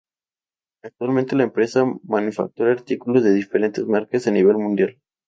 Actualmente la empresa manufactura artículos de diferentes marcas a nivel mundial.